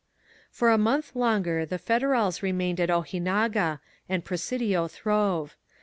For a month longer the Federals remained at Oji naga, and Presidio throve.